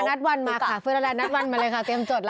นัดวันมาค่ะฟื้นแล้วแนนนัดวันมาเลยค่ะเตรียมจดแล้ว